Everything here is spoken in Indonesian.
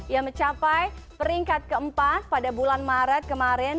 yang mencapai peringkat keempat pada bulan maret kemarin